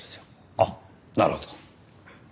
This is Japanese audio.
あっなるほど。